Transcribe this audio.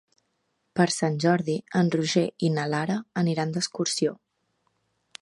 Per Sant Jordi en Roger i na Lara aniran d'excursió.